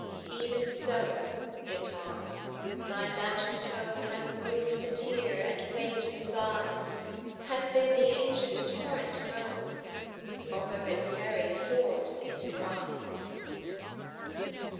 Even so, Guitar, thy magic tone Hath moved the tear and waked the sigh: Hath bid the ancient torrent moan, Although its very source is dry.